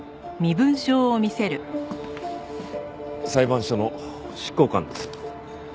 裁判所の執行官です。